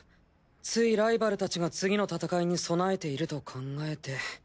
ついライバルたちが次の戦いに備えていると考えて。